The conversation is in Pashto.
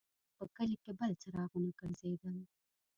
په کلي کې بل څراغونه ګرځېدل.